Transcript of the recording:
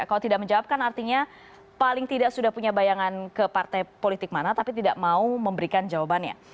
kalau tidak menjawab kan artinya paling tidak sudah punya bayangan ke partai politik mana tapi tidak mau memberikan jawabannya